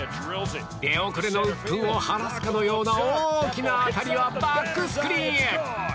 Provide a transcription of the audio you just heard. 出遅れのうっぷんを晴らすかのような大きな当たりはバックスクリーンへ。